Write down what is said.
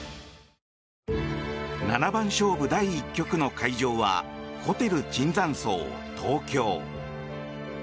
七番勝負第１局の会場はホテル椿山荘東京。